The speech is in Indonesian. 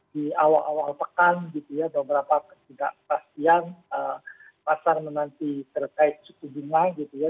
di awal awal pekan gitu ya beberapa ketiga pas siang pasar menanti terkait siku bunga gitu ya